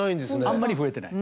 あんまり増えてない。